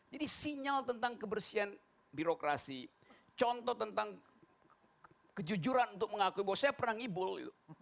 jadi sinyal tentang kebersihan birokrasi contoh tentang kejujuran untuk mengakui bahwa saya pernah ngibul